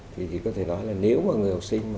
thì có thể nói là nếu mà người học sinh